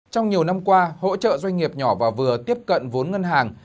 trong nhiều năm qua hỗ trợ doanh nghiệp nhỏ và vừa tiếp cận vốn ngân hàng